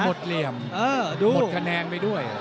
เหลี่ยมหมดคะแนนไปด้วย